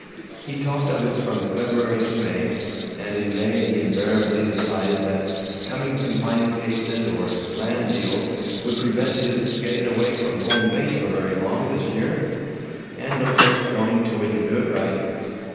He talked of it from February to May, and in May he invariably decided that coming confinement cases or land deals would prevent his "getting away from home base for very long THIS year and no sense going till we can do it right."